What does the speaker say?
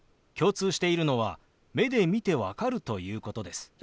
共通しているのは目で見て分かるということです。